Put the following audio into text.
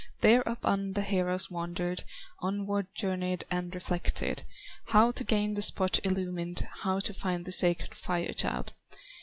Thereupon the heroes wandered, Onward journeyed and reflected, How to gain the spot illumined, How to find the sacred Fire child.